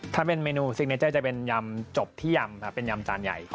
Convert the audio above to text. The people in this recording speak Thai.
ถ้าเป็นเมนูซิกเนเจอร์จะเป็นยำจบที่ยำครับเป็นยำจานใหญ่